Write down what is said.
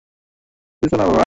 কিছু না বাবা।